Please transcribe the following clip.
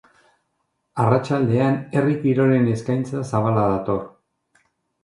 Arratsaldean, herri kirolen eskaintza zabala dator.